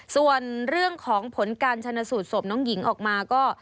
ส่วนเรื่องของผลการชนสูตรศพน้องหญิงออกมาก็